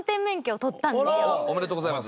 おめでとうございます。